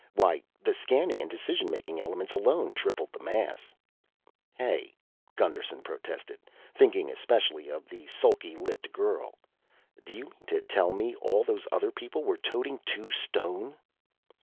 "Why, the scanning and decision making elements alone tripled the mass." "Hey," Gusterson protested, thinking especially of the sulky lipped girl, "do you mean to tell me all those other people were toting two stone?"